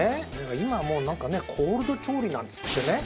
今はもうなんかねコールド調理なんつってね